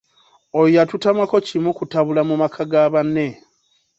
Oyo yatutamako kimu kutabula mu maka ga banne.